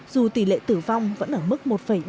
dù tỷ lệ tử vong vẫn ở mức một bảy mươi ba